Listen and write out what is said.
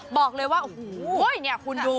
บอกเลยว่าโอ้โหเนี่ยคุณดู